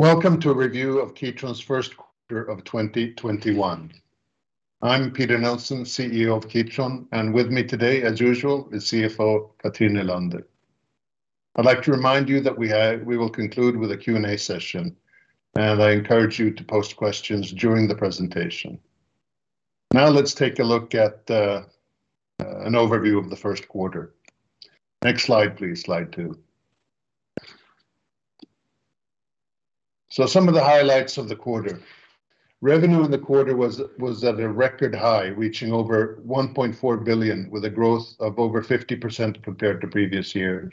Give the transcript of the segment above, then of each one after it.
Welcome to a review of Kitron's first quarter of 2021. I'm Peter Nilsson, CEO of Kitron, and with me today, as usual, is CFO Cathrin Nylander. I'd like to remind you that we will conclude with a Q&A session, and I encourage you to post questions during the presentation. Now let's take a look at an overview of the first quarter. Next slide, please. Slide two. Some of the highlights of the quarter. Revenue in the quarter was at a record high, reaching over 1.4 billion, with a growth of over 50% compared to previous years.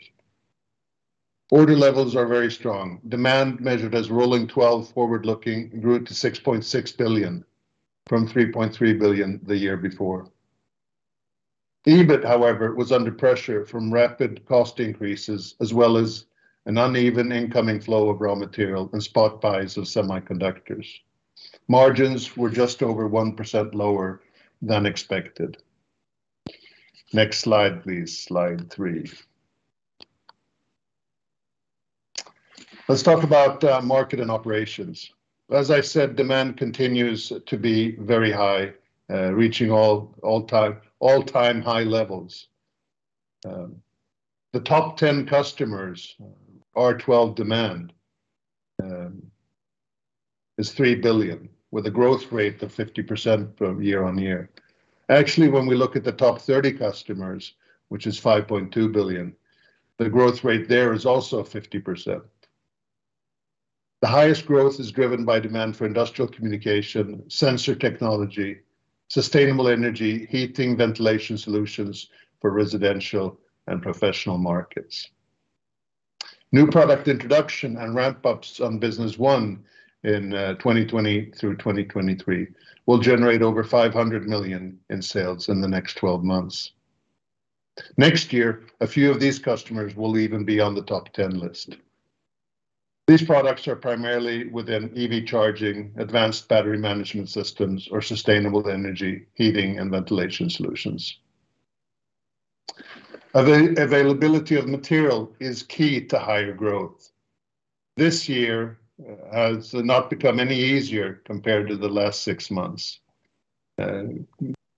Order levels are very strong. Demand, measured as rolling twelve forward-looking, grew to 6.6 billion from 3.3 billion the year before. EBIT, however, was under pressure from rapid cost increases, as well as an uneven incoming flow of raw material and spot buys of semiconductors. Margins were just over 1% lower than expected. Next slide, please. Slide three. Let's talk about market and operations. As I said, demand continues to be very high, reaching all-time high levels. The top 10 customers, R12 demand, is 3 billion, with a growth rate of 50% year-over-year. Actually, when we look at the top 30 customers, which is 5.2 billion, the growth rate there is also 50%. The highest growth is driven by demand for industrial communication, sensor technology, sustainable energy, heating, ventilation solutions for residential and professional markets. New product introduction and ramp-ups on business won in 2020 through 2023 will generate over 500 million in sales in the next 12 months. Next year, a few of these customers will even be on the top 10 list. These products are primarily within EV charging, advanced battery management systems, or sustainable energy heating and ventilation solutions. Availability of material is key to higher growth. This year has not become any easier compared to the last six months.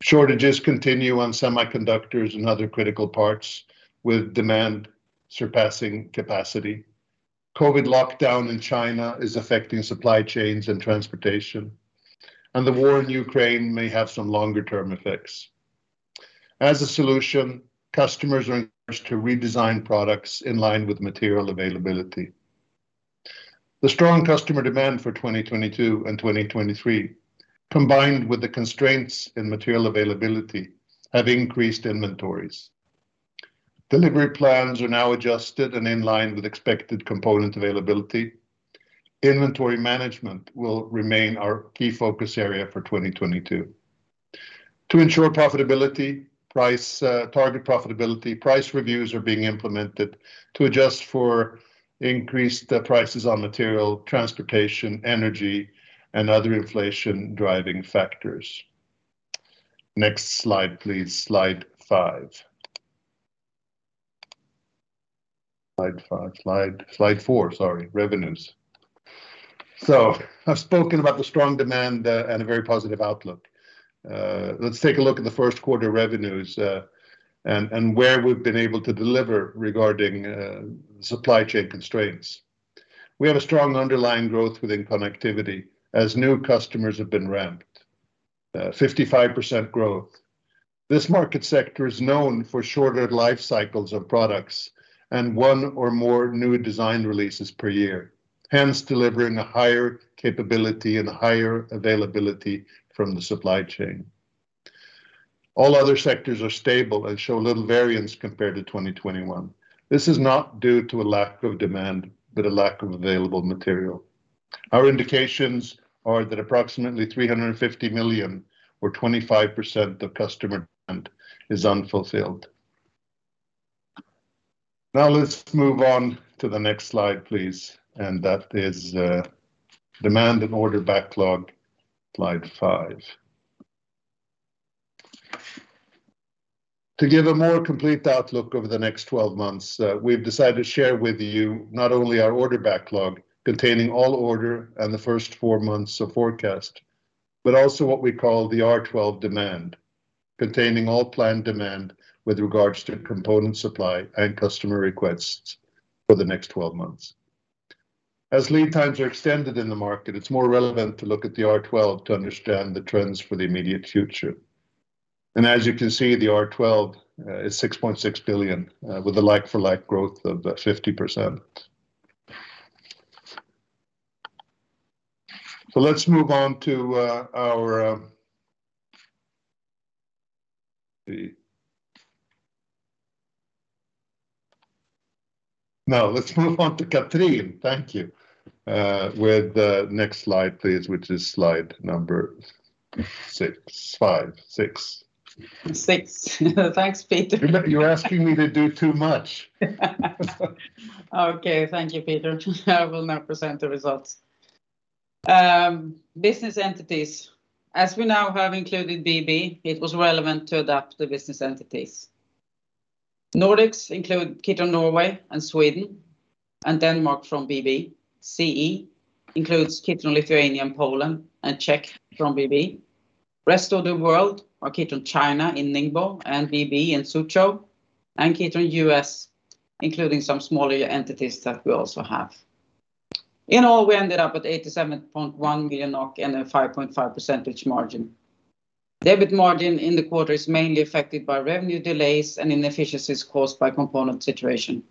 Shortages continue on semiconductors and other critical parts, with demand surpassing capacity. COVID lockdown in China is affecting supply chains and transportation, and the war in Ukraine may have some longer term effects. As a solution, customers are encouraged to redesign products in line with material availability. The strong customer demand for 2022 and 2023, combined with the constraints in material availability, have increased inventories. Delivery plans are now adjusted and in line with expected component availability. Inventory management will remain our key focus area for 2022. To ensure profitability, target profitability, price reviews are being implemented to adjust for increased prices on material, transportation, energy, and other inflation-driving factors. Next slide, please. Slide four, sorry. Revenues. I've spoken about the strong demand and a very positive outlook. Let's take a look at the first quarter revenues and where we've been able to deliver regarding supply chain constraints. We have a strong underlying growth within Connectivity as new customers have been ramped. 55% growth. This market sector is known for shorter life cycles of products and one or more new design releases per year, hence delivering a higher capability and higher availability from the supply chain. All other sectors are stable and show little variance compared to 2021. This is not due to a lack of demand, but a lack of available material. Our indications are that approximately 350 million, or 25%, of customer demand is unfulfilled. Now let's move on to the next slide, please, and that is, demand and order backlog, slide five. To give a more complete outlook over the next 12 months, we've decided to share with you not only our order backlog, containing all orders and the first four months of forecast, but also what we call the R12 demand, containing all planned demand with regards to component supply and customer requests for the next 12 months. As lead times are extended in the market, it's more relevant to look at the R12 to understand the trends for the immediate future. As you can see, the R12 is 6.6 billion with a like for like growth of 50%. Let's move on to Cathrin, thank you, with the next slide, please, which is slide number six. Six. Thanks, Peter. You're asking me to do too much. Okay. Thank you, Peter. I will now present the results. Business entities. As we now have included BB, it was relevant to adapt the business entities. Nordics include Kitron Norway and Sweden and Denmark from BB. CE includes Kitron Lithuania and Poland and Czech from BB. Rest of the world are Kitron China in Ningbo and BB in Suzhou, and Kitron U.S., including some smaller entities that we also have. In all, we ended up at 87.1 million NOK and a 5.5% margin. EBIT margin in the quarter is mainly affected by revenue delays and inefficiencies caused by component situation.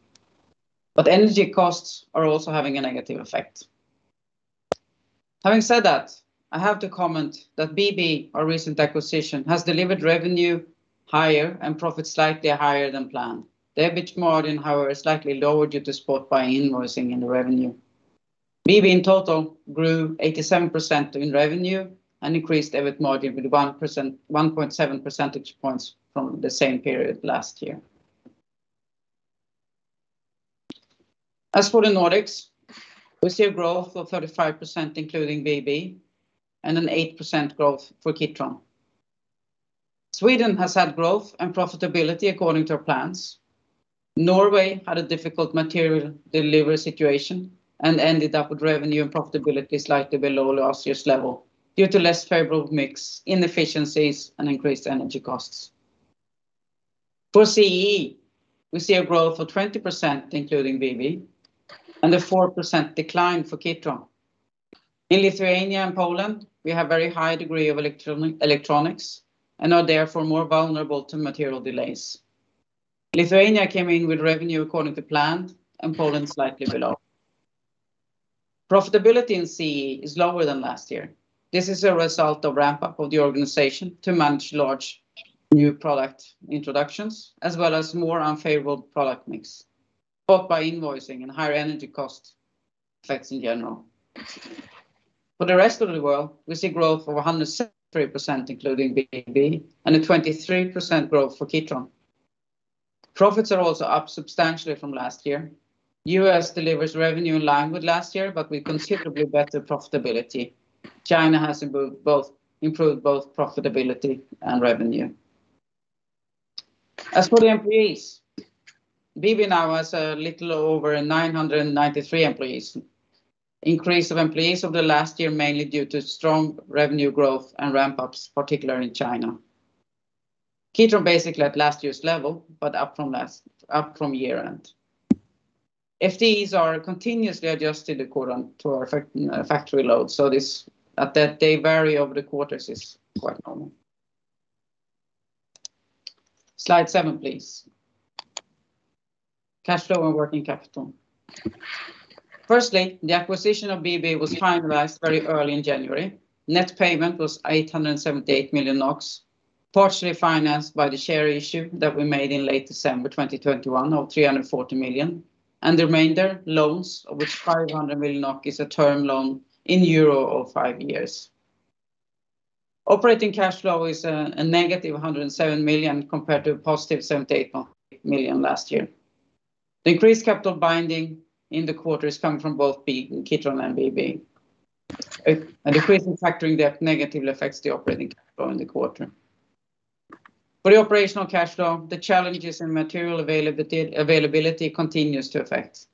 Energy costs are also having a negative effect. Having said that, I have to comment that BB, our recent acquisition, has delivered revenue higher and profits slightly higher than planned. The EBIT margin, however, is slightly lower due to spot buy invoicing in the revenue. BB in total grew 87% in revenue and increased EBIT margin with 1.7 percentage points from the same period last year. As for the Nordics, we see a growth of 35%, including BB, and an 8% growth for Kitron. Sweden has had growth and profitability according to our plans. Norway had a difficult material delivery situation and ended up with revenue and profitability slightly below last year's level due to less favorable mix, inefficiencies, and increased energy costs. For CE, we see a growth of 20%, including BB, and a 4% decline for Kitron. In Lithuania and Poland, we have very high degree of electronics and are therefore more vulnerable to material delays. Lithuania came in with revenue according to plan, and Poland slightly below. Profitability in CE is lower than last year. This is a result of ramp-up of the organization to manage large new product introductions, as well as more unfavorable product mix, spot buy invoicing and higher energy cost effects in general. For the rest of the world, we see growth of 170%, including BB, and a 23% growth for Kitron. Profits are also up substantially from last year. U.S. delivers revenue in line with last year, but with considerably better profitability. China has improved both profitability and revenue. As for the employees, BB now has a little over 993 employees. Increase of employees over the last year, mainly due to strong revenue growth and ramp-ups, particularly in China. Kitron basically at last year's level, but up from year-end. FTEs are continuously adjusted according to our factory load. That they vary over the quarters is quite normal. Slide seven, please. Cash flow and working capital. Firstly, the acquisition of BB was finalized very early in January. Net payment was 878 million NOK, partially financed by the share issue that we made in late December 2021 of 340 million, and the remainder loans, of which 500 million NOK is a term loan in euro of five years. Operating cash flow is a -107 million compared to a +78.8 million last year. The increased capital binding in the quarter is coming from both Kitron and BB. A decrease in factoring that negatively affects the operating cash flow in the quarter. For the operational cash flow, the challenges in material availability continues to affect.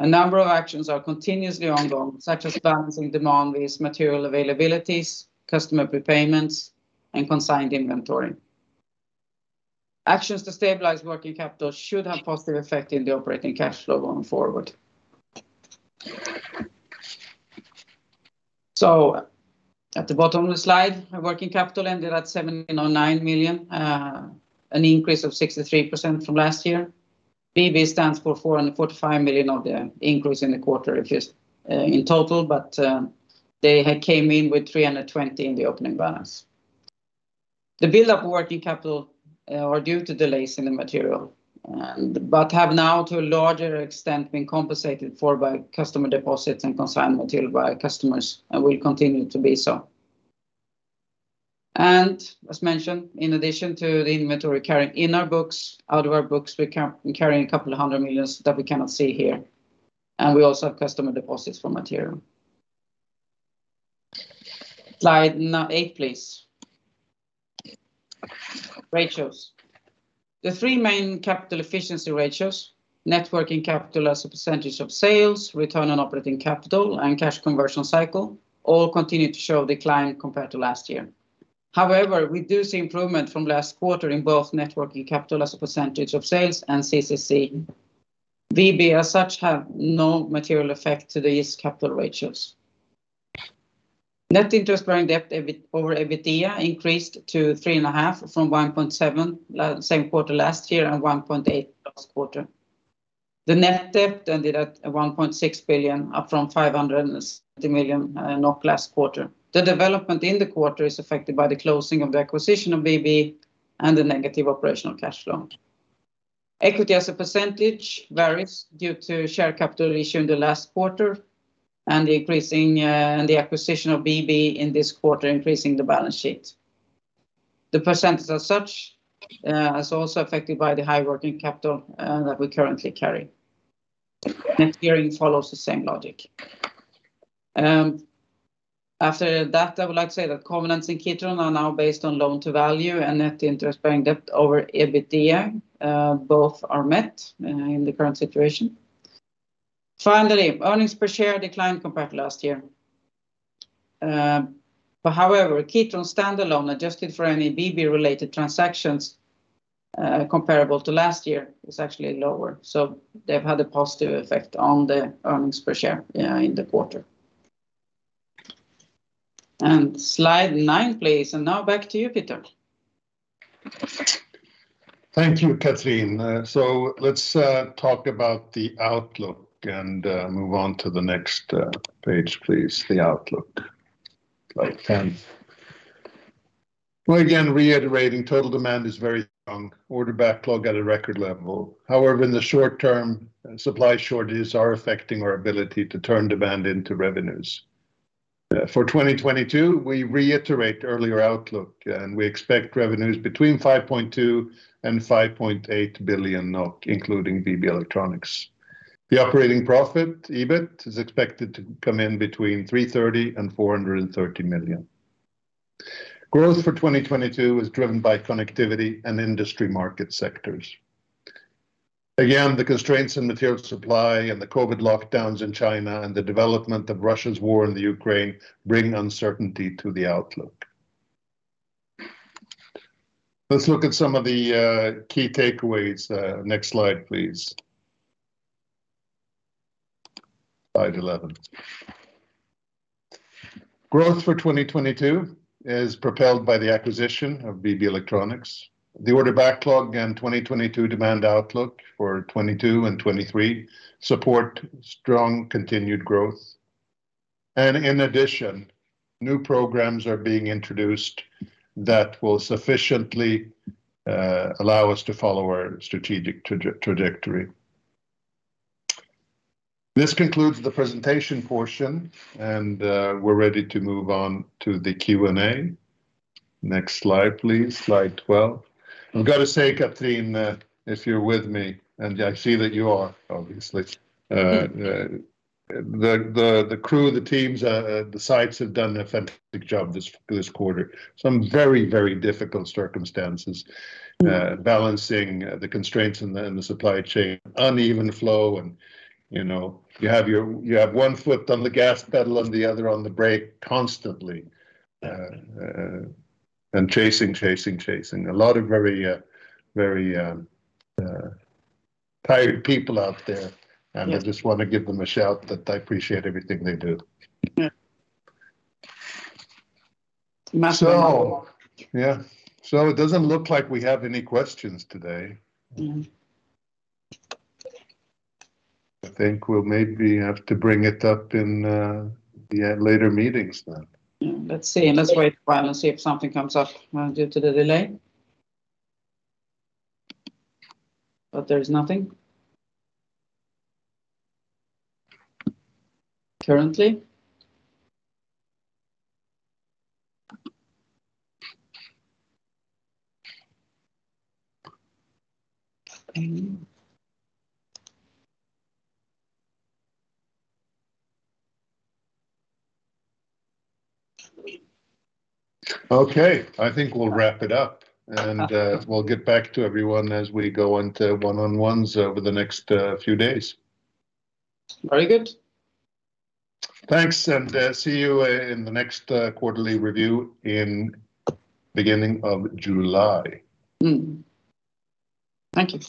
A number of actions are continuously ongoing, such as balancing demand with material availabilities, customer prepayments, and consigned inventory. Actions to stabilize working capital should have positive effect in the operating cash flow going forward. At the bottom of the slide, our working capital ended at 709 million, an increase of 63% from last year. BB stands for 445 million of the increase in the quarter, if just, in total, but, they had came in with 320 in the opening balance. The buildup of working capital are due to delays in the material, but have now to a larger extent been compensated for by customer deposits and consigned material by our customers, and will continue to be so. As mentioned, in addition to the inventory carrying in our books, out of our books, we carry a couple of hundred million that we cannot see here. We also have customer deposits for material. Slide eight, please. Ratios. The three main capital efficiency ratios, net working capital as a percentage of sales, return on operating capital, and cash conversion cycle, all continue to show decline compared to last year. However, we do see improvement from last quarter in both net working capital as a percentage of sales and CCC. BB as such have no material effect to these capital ratios. Net interest-bearing debt over EBITDA increased to 3.5 from 1.7 same quarter last year and 1.8 last quarter. The net debt ended at 1.6 billion, up from 570 million NOK last quarter. The development in the quarter is affected by the closing of the acquisition of BB and the negative operational cash flow. Equity as a percentage varies due to share capital issued in the last quarter and the increasing, and the acquisition of BB in this quarter increasing the balance sheet. The percentage as such, is also affected by the high working capital, that we currently carry. Net gearing follows the same logic. After that, I would like to say that covenants in Kitron are now based on loan to value and net interest bearing debt over EBITDA. Both are met, in the current situation. Finally, earnings per share declined compared to last year. But however, Kitron standalone, adjusted for any BB-related transactions, comparable to last year, is actually lower. They've had a positive effect on the earnings per share in the quarter. Slide nine, please. Now back to you, Peter. Thank you, Cathrin. So let's talk about the outlook and move on to the next page, please. The outlook. Slide 10. Well, again, reiterating total demand is very strong. Order backlog at a record level. However, in the short term, supply shortages are affecting our ability to turn demand into revenues. For 2022, we reiterate earlier outlook, and we expect revenues between 5.2 billion and 5.8 billion NOK, including BB Electronics. The operating profit, EBIT, is expected to come in between 330 million and 430 million. Growth for 2022 is driven by Connectivity and Industry market sectors. Again, the constraints in material supply and the COVID lockdowns in China and the development of Russia's war in Ukraine bring uncertainty to the outlook. Let's look at some of the key takeaways. Next slide, please. Slide 11. Growth for 2022 is propelled by the acquisition of BB Electronics. The order backlog and 2022 demand outlook for 2022 and 2023 support strong continued growth. In addition, new programs are being introduced that will sufficiently allow us to follow our strategic trajectory. This concludes the presentation portion, and we're ready to move on to the Q&A. Next slide, please. Slide 12. I've got to say, Cathrin, if you're with me, and I see that you are, obviously. Mm-hmm The crew, the teams, the sites have done a fantastic job this quarter. Some very difficult circumstances. Mm-hmm Balancing the constraints in the supply chain, uneven flow and, you know, you have one foot on the gas pedal and the other on the brake constantly, and chasing. A lot of very tired people out there. Yes. I just wanna give them a shout that I appreciate everything they do. Yeah. Yeah. It doesn't look like we have any questions today. Mm-hmm. I think we'll maybe have to bring it up in the later meetings then. Let's see. Let's wait a while and see if something comes up, due to the delay. There is nothing currently. Nothing. Okay. I think we'll wrap it up. Okay We'll get back to everyone as we go into one-on-ones over the next few days. Very good. Thanks, see you in the next quarterly review in the beginning of July. Mm-hmm. Thank you.